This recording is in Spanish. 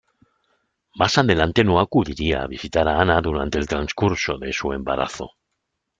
Más adelante no acudiría a visitar a Ana durante el transcurso de su embarazo.